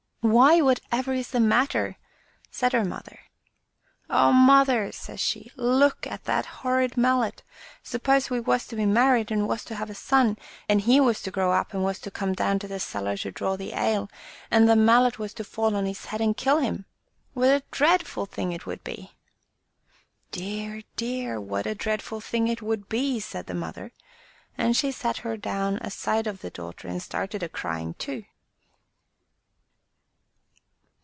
"Why, whatever is the matter?*' said her mother. "Oh, mother!*' says she, "look at that horrid mallet! Suppose we was to be married, and was to have a son, and he was to grow up, and was to come down to the cellar to draw the ale, and the mallet was to fall on his head and kill him, what a dreadful thing it would be!" "Dear, dear! what a dreadful thing it would be!" said the mother, and she sat her down aside of the daughter and started a crying too.